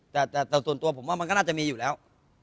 แต่ส่วนตัวผมว่ามันก็น่าจะมีอยู่แล้ว